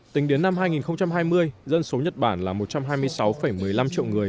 tính đến năm hai nghìn hai mươi dân số nhật bản là một trăm hai mươi sáu một mươi năm triệu người